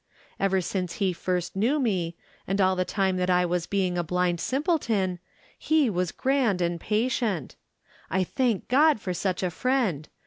Ever since he first knew me, and all the .time that I was being a blind simpleton, he was grand and pa tient. I thank God for such a friend.